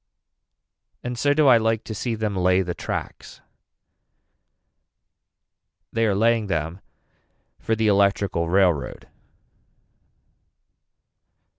And so do I like to see them lay the tracks. They are laying them for the electrical railroad.